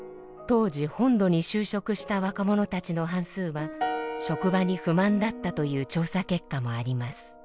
当時本土に就職した若者たちの半数は職場に不満だったという調査結果もあります。